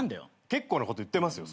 結構なこと言ってますよ。